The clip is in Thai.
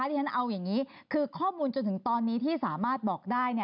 ที่ฉันเอาอย่างนี้คือข้อมูลจนถึงตอนนี้ที่สามารถบอกได้